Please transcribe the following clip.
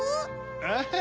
ああ。